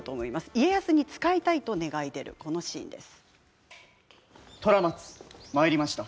家康に仕えたいと願い出るシーンです。